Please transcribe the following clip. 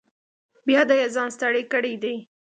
بې حده یې ځان ستړی کړی دی.